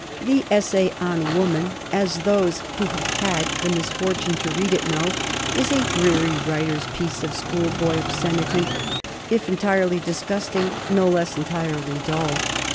The "Essay on Woman," as those who have had the misfortune to read it know, is a dreary writer's piece of schoolboy obscenity, if entirely disgusting, no less entirely dull.